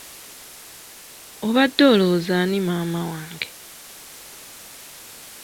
Obadde olowooza ani maama wange?